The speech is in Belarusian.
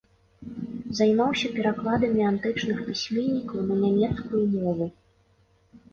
Займаўся перакладамі антычных пісьменнікаў на нямецкую мову.